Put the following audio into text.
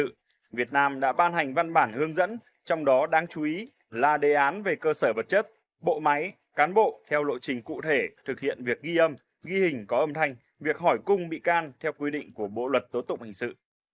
hình sự việt nam đã ban hành văn bản hướng dẫn trong đó đáng chú ý là đề án về cơ sở vật chất bộ máy cán bộ theo lộ trình cụ thể thực hiện việc ghi âm ghi hình có âm thanh việc hỏi cung bị can theo quy định của bộ luật tố tụng hình sự